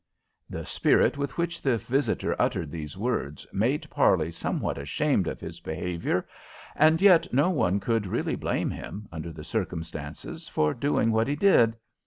The spirit with which the visitor uttered these words made Parley somewhat ashamed of his behavior, and yet no one could really blame him, under the circumstances, for doing what he did.